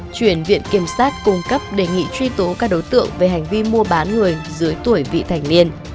chuyển viện kiểm sát cung cấp đề nghị truy tố các đối tượng về hành vi mua bán người dưới tuổi vị thành niên